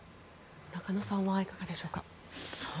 中野さんはいかがでしょうか。